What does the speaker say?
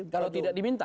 kalau tidak diminta